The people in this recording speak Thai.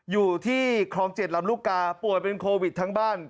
อยู่ที่คลอง๗ลำลูกกาป่วยเป็นโควิดทั้งบ้าน